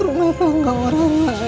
rumah itu nggak orang lain